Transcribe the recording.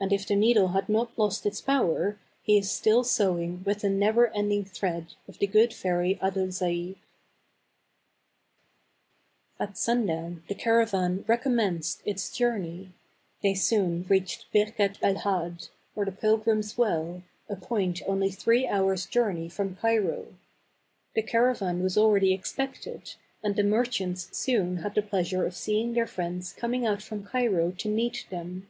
And if the needle has not lost its power, he is still sewing with the never ending thread of the good fairy Adolzaide. At sundown the caravan recommenced its journey. They soon reached Birket el Had, or The Pilgrim's Well, a point only three hours' journey from Cairo. The caravan was already expected, and the merchants soon had the pleasure of seeing their friends coming out from Cairo to meet them.